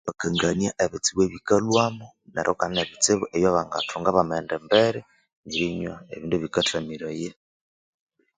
Iribakangania ebitsibu ebikalhwamu neru kandi ne bitsibu ebyabangathunga bamaghenda embere erinywa ebindu ebikathamiraya